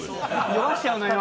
酔わせちゃうのよ